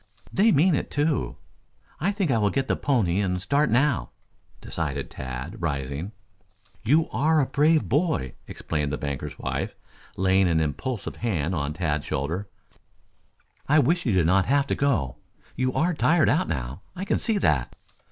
"They mean it, too. I think I will get the pony and start now," decided Tad, rising. "You are a brave boy," exclaimed the banker's wife, laying an impulsive hand on Tad's shoulder. "I wish you did not have to go. You are tired out now. I can see that."